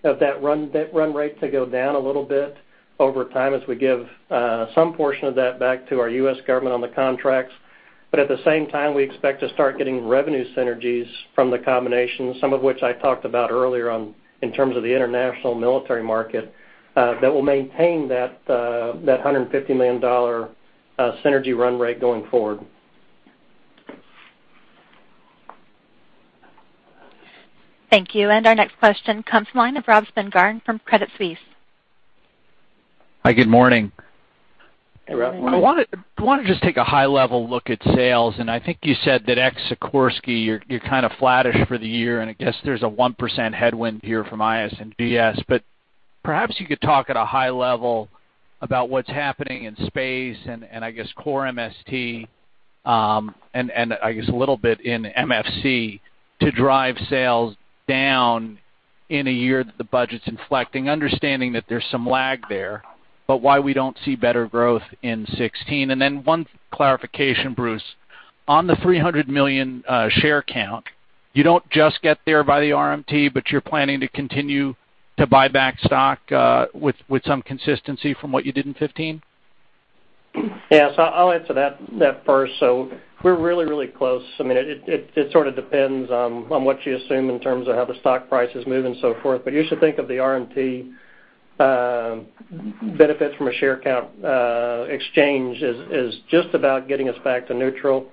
of that run rate to go down a little bit over time as we give some portion of that back to our U.S. government on the contracts. At the same time, we expect to start getting revenue synergies from the combination, some of which I talked about earlier on in terms of the international military market, that will maintain that $150 million synergy run rate going forward. Thank you. Our next question comes from the line of Robert Spingarn from Credit Suisse. Hi, good morning. Hey, Rob. I want to just take a high level look at sales. I think you said that ex Sikorsky, you're kind of flattish for the year. I guess there's a 1% headwind here from IS&GS. Perhaps you could talk at a high level about what's happening in space and I guess core MST, and I guess a little bit in MFC to drive sales down in a year that the budget's inflecting, understanding that there's some lag there, but why we don't see better growth in 2016. Then one clarification, Bruce. On the 300 million share count, you don't just get there by the RMT, but you're planning to continue to buy back stock with some consistency from what you did in 2015? Yes, I'll answer that first. We're really close. It sort of depends on what you assume in terms of how the stock price is moving, so forth. You should think of the RMT benefits from a share count exchange as just about getting us back to neutral.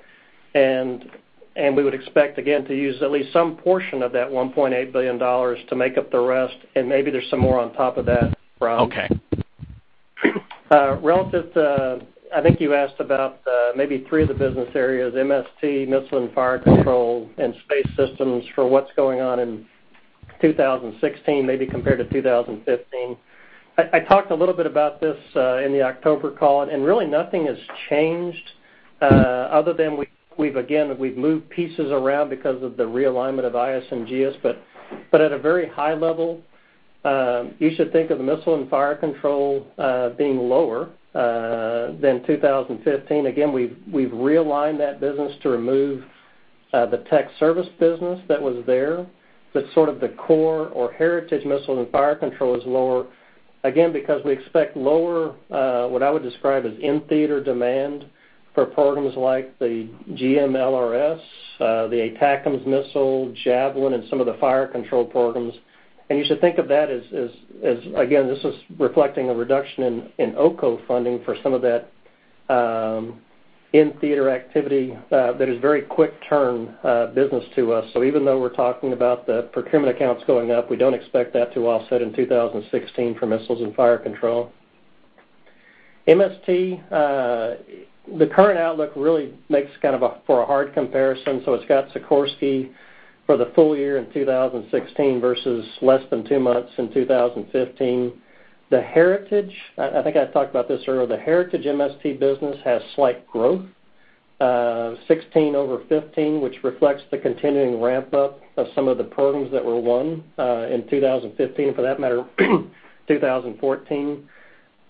We would expect, again, to use at least some portion of that $1.8 billion to make up the rest, and maybe there's some more on top of that, Rob. Okay. Relative to, I think you asked about maybe three of the business areas, MST, Missiles and Fire Control, and Space Systems for what's going on in 2016, maybe compared to 2015. I talked a little bit about this in the October call. Really nothing has changed. Other than we've, again, we've moved pieces around because of the realignment of IS&GS. At a very high level, you should think of Missiles and Fire Control being lower than 2015. Again, we've realigned that business to remove the tech service business that was there. Sort of the core or heritage Missiles and Fire Control is lower, again, because we expect lower, what I would describe as in-theater demand for programs like the GMLRS, the ATACMS missile, Javelin, and some of the fire control programs. You should think of that as, again, this is reflecting a reduction in OCO funding for some of that in-theater activity that is very quick turn business to us. Even though we're talking about the procurement accounts going up, we don't expect that to offset in 2016 for Missiles and Fire Control. MST, the current outlook really makes kind of for a hard comparison. It's got Sikorsky for the full year in 2016 versus less than two months in 2015. The heritage, I think I talked about this earlier, the heritage MST business has slight growth, 2016 over 2015, which reflects the continuing ramp up of some of the programs that were won in 2015, and for that matter, 2014.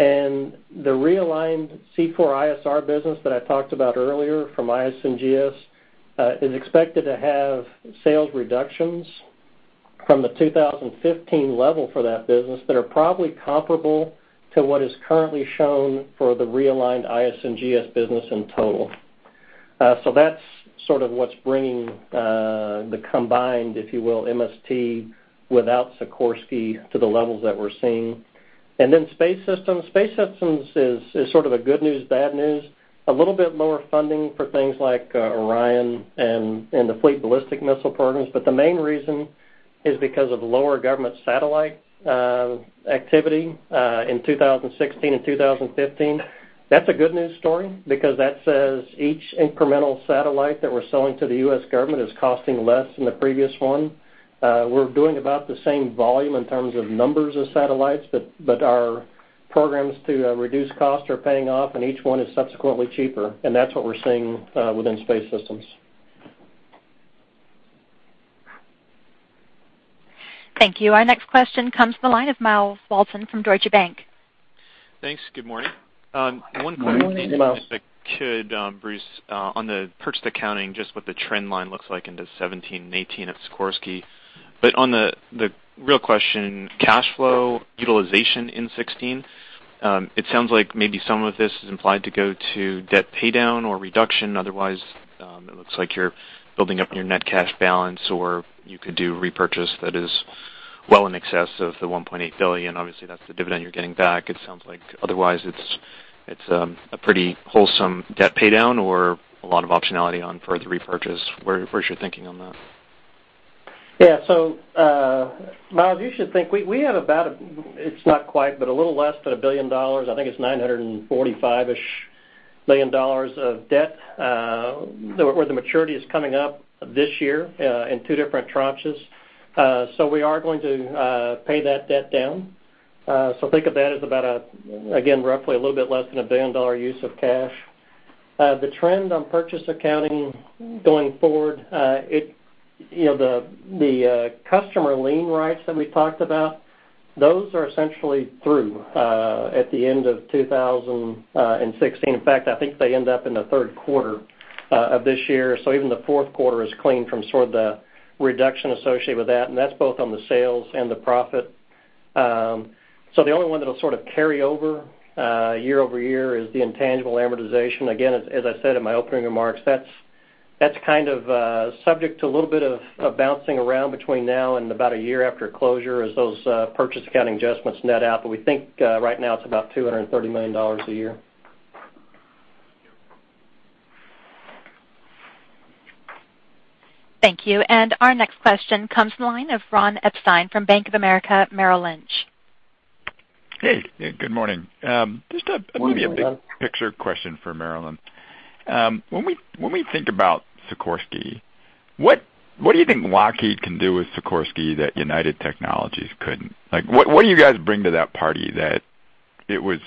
The realigned C4ISR business that I talked about earlier from IS&GS is expected to have sales reductions From the 2015 level for that business that are probably comparable to what is currently shown for the realigned IS&GS business in total. That's sort of what's bringing the combined, if you will, MST without Sikorsky to the levels that we're seeing. Space Systems. Space Systems is sort of a good news, bad news, a little bit lower funding for things like Orion and the fleet ballistic missile programs. The main reason is because of lower government satellite activity in 2016 and 2015. That's a good news story because that says each incremental satellite that we're selling to the U.S. government is costing less than the previous one. We're doing about the same volume in terms of numbers of satellites, but our programs to reduce costs are paying off and each one is subsequently cheaper. That's what we're seeing within Space Systems. Thank you. Our next question comes from the line of Myles Walton from Deutsche Bank. Thanks. Good morning. Good morning, Myles. One question, if I could, Bruce, on the purchased accounting, just what the trend line looks like into 2017 and 2018 at Sikorsky. On the real question, cash flow utilization in 2016. It sounds like maybe some of this is implied to go to debt paydown or reduction. Otherwise, it looks like you're building up your net cash balance, or you could do repurchase that is well in excess of the $1.8 billion. Obviously, that's the dividend you're getting back. It sounds like otherwise it's a pretty wholesome debt paydown or a lot of optionality on further repurchase. Where's your thinking on that? Myles, you should think we have about, it's not quite, but a little less than $1 billion. I think it's $945 million of debt, where the maturity is coming up this year in two different tranches. We are going to pay that debt down. Think of that as about, again, roughly a little bit less than a $1 billion use of cash. The trend on purchase accounting going forward, the customer lien rights that we talked about, those are essentially through at the end of 2016. In fact, I think they end up in the third quarter of this year. Even the fourth quarter is clean from sort of the reduction associated with that, and that's both on the sales and the profit. The only one that'll sort of carry over year-over-year is the intangible amortization. Again, as I said in my opening remarks, that's kind of subject to a little bit of bouncing around between now and about a year after closure as those purchase accounting adjustments net out. We think right now it's about $230 million a year. Thank you. Our next question comes from the line of Ronald Epstein from Bank of America Merrill Lynch. Good morning. Good morning, Ron. Just maybe a big picture question for Marillyn. When we think about Sikorsky, what do you think Lockheed can do with Sikorsky that United Technologies couldn't? What do you guys bring to that party that it was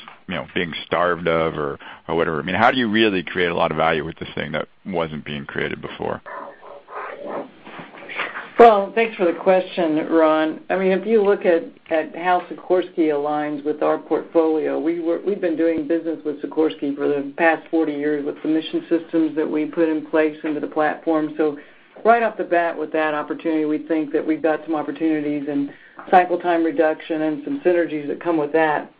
being starved of or whatever? I mean, how do you really create a lot of value with this thing that wasn't being created before? Well, thanks for the question, Ron. If you look at how Sikorsky aligns with our portfolio, we've been doing business with Sikorsky for the past 40 years with the mission systems that we put in place into the platform. Right off the bat with that opportunity, we think that we've got some opportunities and cycle time reduction and some synergies that come with that.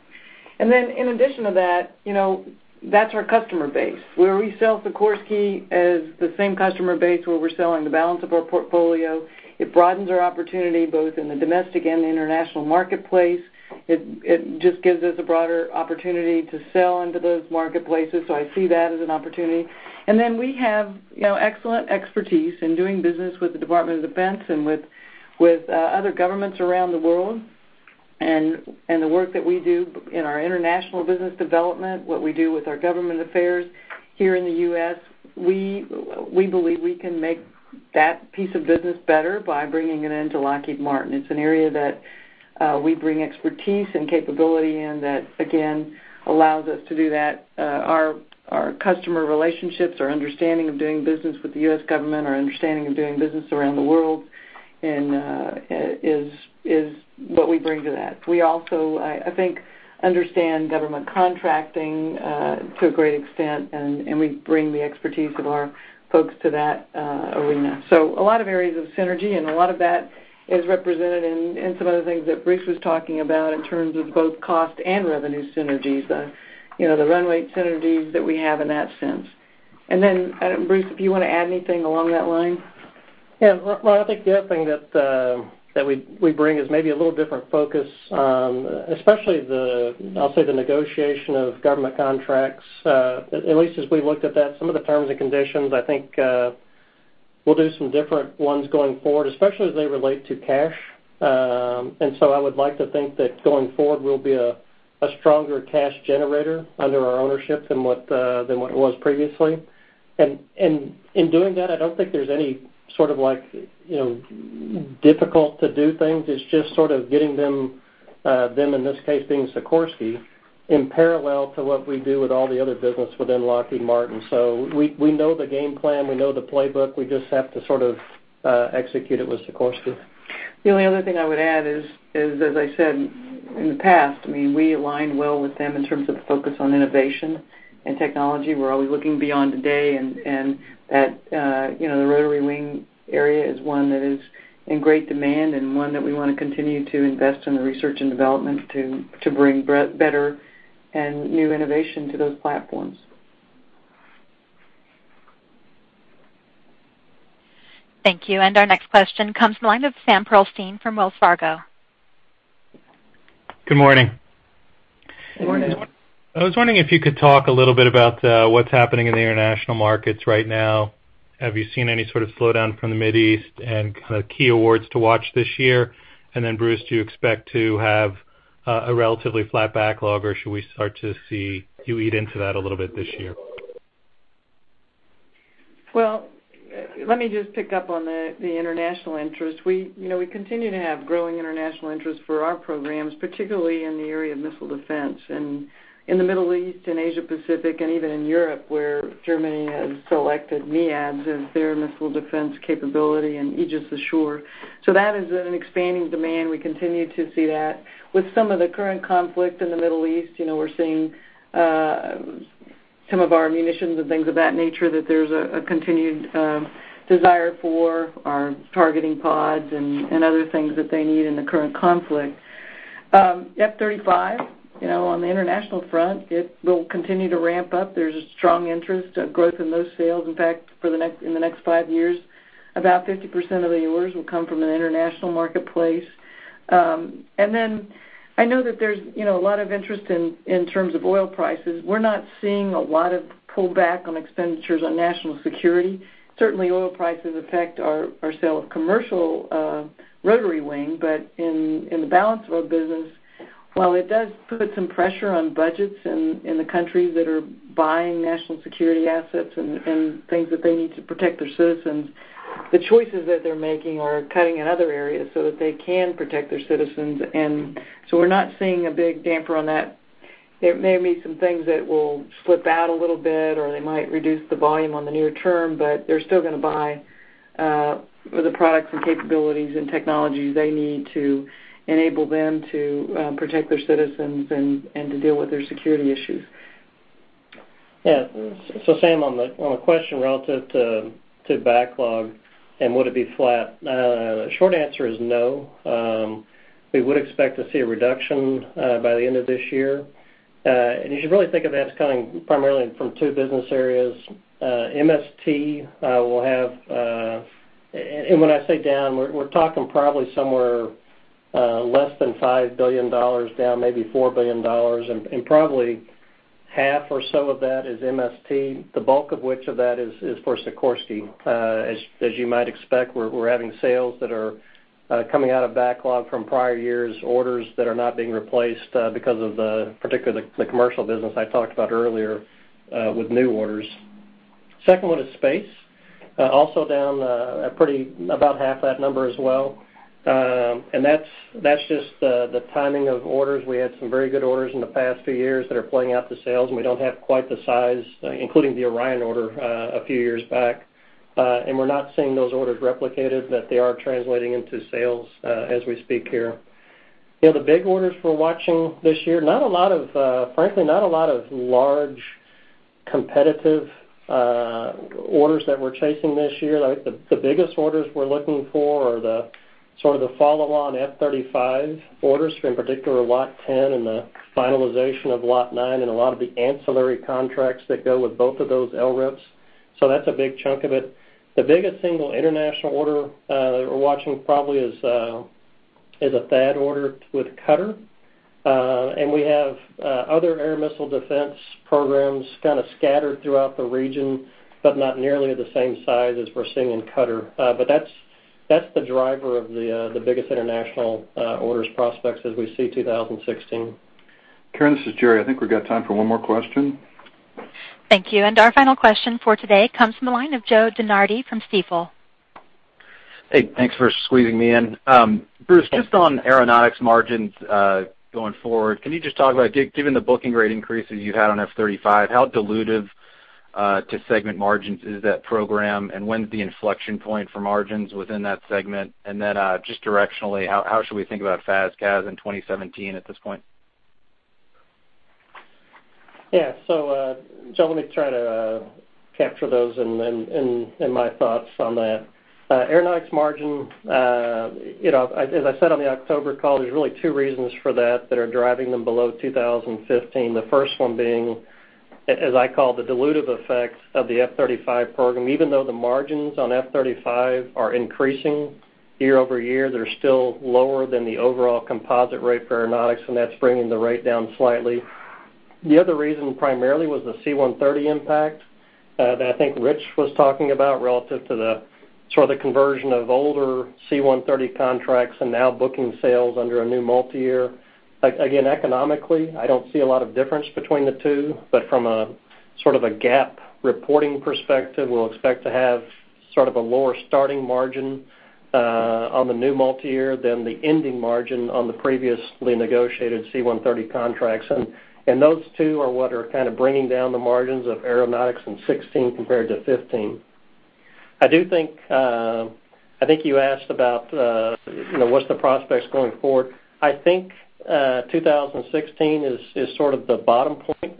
In addition to that's our customer base where we sell Sikorsky as the same customer base where we're selling the balance of our portfolio. It broadens our opportunity both in the domestic and the international marketplace. It just gives us a broader opportunity to sell into those marketplaces. I see that as an opportunity. We have excellent expertise in doing business with the Department of Defense and with other governments around the world. The work that we do in our international business development, what we do with our government affairs here in the U.S., we believe we can make that piece of business better by bringing it into Lockheed Martin. It's an area that we bring expertise and capability in that, again, allows us to do that. Our customer relationships, our understanding of doing business with the U.S. government, our understanding of doing business around the world is what we bring to that. We also, I think, understand government contracting to a great extent, and we bring the expertise of our folks to that arena. A lot of areas of synergy, and a lot of that is represented in some of the things that Bruce was talking about in terms of both cost and revenue synergies, the run rate synergies that we have in that sense. Bruce, do you want to add anything along that line? Ron, I think the other thing that we bring is maybe a little different focus, especially, I'll say, the negotiation of government contracts. At least as we looked at that, some of the terms and conditions, I think, we'll do some different ones going forward, especially as they relate to cash. I would like to think that going forward, we'll be a stronger cash generator under our ownership than what it was previously. In doing that, I don't think there's any sort of difficult to do things. It's just sort of getting them, in this case being Sikorsky, in parallel to what we do with all the other business within Lockheed Martin. We know the game plan, we know the playbook, we just have to sort of execute it with Sikorsky. The only other thing I would add is, as I said in the past, we align well with them in terms of the focus on innovation and technology. We're always looking beyond today, the rotary wing area is one that is in great demand and one that we want to continue to invest in the research and development to bring better and new innovation to those platforms. Thank you. Our next question comes from the line of Sam Pearlstein from Wells Fargo. Good morning. Good morning. I was wondering if you could talk a little bit about what's happening in the international markets right now. Have you seen any sort of slowdown from the Middle East, kind of key awards to watch this year? Bruce, do you expect to have a relatively flat backlog, or should we start to see you eat into that a little bit this year? Well, let me just pick up on the international interest. We continue to have growing international interest for our programs, particularly in the area of missile defense and in the Middle East and Asia Pacific and even in Europe, where Germany has selected MEADS as their missile defense capability and Aegis Ashore. That is an expanding demand. We continue to see that. With some of the current conflict in the Middle East, we're seeing some of our munitions and things of that nature, that there's a continued desire for our targeting pods and other things that they need in the current conflict. F-35, on the international front, it will continue to ramp up. There's a strong interest, a growth in those sales. In fact, in the next five years, about 50% of the orders will come from an international marketplace. I know that there's a lot of interest in terms of oil prices. We're not seeing a lot of pullback on expenditures on national security. Certainly, oil prices affect our sale of commercial rotary wing. In the balance of our business, while it does put some pressure on budgets in the countries that are buying national security assets and things that they need to protect their citizens, the choices that they're making are cutting in other areas so that they can protect their citizens. We're not seeing a big damper on that. There may be some things that will slip out a little bit, or they might reduce the volume on the near term, but they're still going to buy the products and capabilities and technologies they need to enable them to protect their citizens and to deal with their security issues. Sam, on the question relative to backlog and would it be flat? The short answer is no. We would expect to see a reduction by the end of this year. You should really think of that as coming primarily from two business areas. MST will have, and when I say down, we're talking probably somewhere less than $5 billion down, maybe $4 billion, and probably half or so of that is MST, the bulk of which of that is for Sikorsky. As you might expect, we're having sales that are coming out of backlog from prior years' orders that are not being replaced because of the, particularly the commercial business I talked about earlier, with new orders. Second one is space. Also down about half that number as well. That's just the timing of orders. We had some very good orders in the past few years that are playing out the sales, we don't have quite the size, including the Orion order a few years back. We're not seeing those orders replicated, that they are translating into sales as we speak here. The big orders we're watching this year, frankly, not a lot of large competitive orders that we're chasing this year. The biggest orders we're looking for are the sort of the follow-on F-35 orders from particular Lot 10 and the finalization of Lot 9 and a lot of the ancillary contracts that go with both of those LRIPs. That's a big chunk of it. The biggest single international order that we're watching probably is a THAAD order with Qatar. We have other air missile defense programs kind of scattered throughout the region, not nearly the same size as we're seeing in Qatar. That's the driver of the biggest international orders prospects as we see 2016. Karen, this is Jerry. I think we've got time for one more question. Thank you. Our final question for today comes from the line of Joe DeNardi from Stifel. Hey, thanks for squeezing me in. Bruce, just on Aeronautics margins going forward, can you just talk about, given the booking rate increases you had on F-35, how dilutive to segment margins is that program, and when is the inflection point for margins within that segment? Then just directionally, how should we think about FAS/CAS in 2017 at this point? Yeah. Joe, let me try to capture those and my thoughts on that. Aeronautics margin, as I said on the October call, there's really two reasons for that are driving them below 2015. The first one being, as I call, the dilutive effects of the F-35 program. Even though the margins on F-35 are increasing year-over-year, they're still lower than the overall composite rate for Aeronautics, and that's bringing the rate down slightly. The other reason primarily was the C-130 impact that I think Rich was talking about relative to the sort of the conversion of older C-130 contracts and now booking sales under a new multi-year. Economically, I don't see a lot of difference between the two, but from a sort of a GAAP reporting perspective, we'll expect to have sort of a lower starting margin on the new multi-year than the ending margin on the previously negotiated C-130 contracts. Those two are what are kind of bringing down the margins of Aeronautics in 2016 compared to 2015. I do think you asked about what's the prospects going forward. I think 2016 is sort of the bottom point,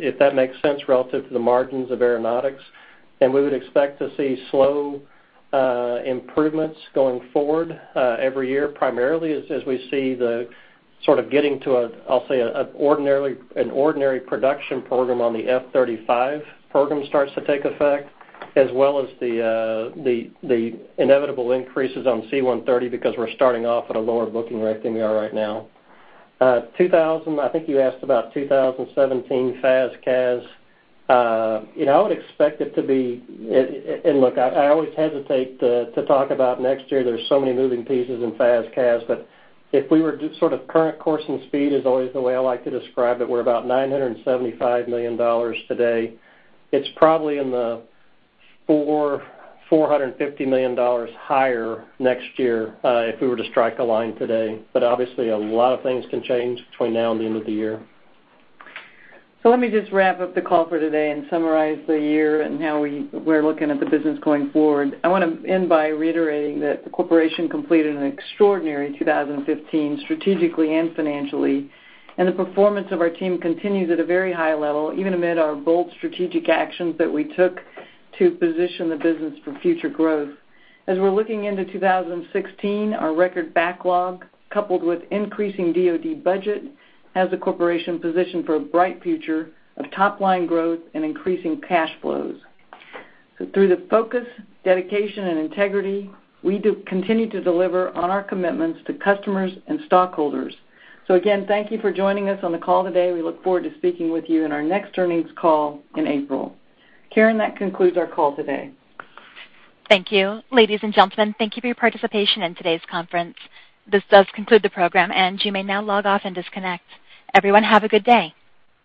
if that makes sense, relative to the margins of Aeronautics. We would expect to see slow improvements going forward every year, primarily as we see the sort of getting to, I'll say, an ordinary production program on the F-35 program starts to take effect, as well as the inevitable increases on C-130 because we're starting off at a lower booking rate than we are right now. I think you asked about 2017 FAS/CAS. I would expect it to be. Look, I always hesitate to talk about next year. There's so many moving pieces in FAS/CAS, if we were to sort of current course and speed is always the way I like to describe it. We're about $975 million today. It's probably in the $450 million higher next year, if we were to strike a line today. Obviously, a lot of things can change between now and the end of the year. Let me just wrap up the call for today and summarize the year and how we're looking at the business going forward. I want to end by reiterating that the corporation completed an extraordinary 2015, strategically and financially, the performance of our team continues at a very high level, even amid our bold strategic actions that we took to position the business for future growth. As we're looking into 2016, our record backlog, coupled with increasing DoD budget, has the corporation positioned for a bright future of top-line growth and increasing cash flows. Through the focus, dedication, and integrity, we do continue to deliver on our commitments to customers and stockholders. Again, thank you for joining us on the call today. We look forward to speaking with you in our next earnings call in April. Karen, that concludes our call today. Thank you. Ladies and gentlemen, thank you for your participation in today's conference. This does conclude the program, and you may now log off and disconnect. Everyone, have a good day.